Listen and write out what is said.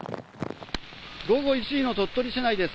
午後１時の鳥取市内です。